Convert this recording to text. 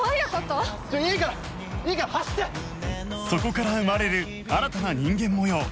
そこから生まれる新たな人間模様